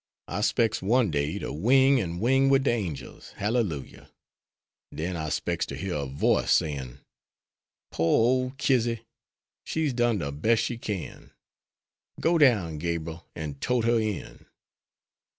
I specs one day to wing and wing wid de angels, Hallelujah! Den I specs to hear a voice sayin', "Poor ole Kizzy, she's done de bes' she kin. Go down, Gabriel, an' tote her in."